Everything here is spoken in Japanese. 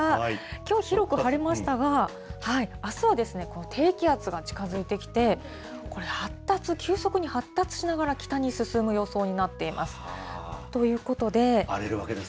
きょう、広く晴れましたが、あすはですね、低気圧が近づいてきて、これ、発達、急速に発達しながら北に進む予想になっています。